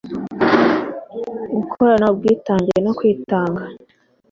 gukorana ubwitange no kwitanga